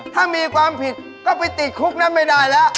ถ้ามีความผิดก็ไปติดคุกนั้นไม่ได้แล้ว